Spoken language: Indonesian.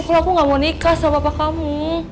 kalau aku gak mau nikah sama bapak kamu